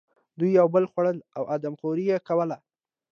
دوی یو بل خوړل او آدم خوري یې کوله.